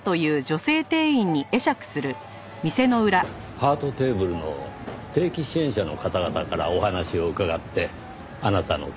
ハートテーブルの定期支援者の方々からお話を伺ってあなたの事を。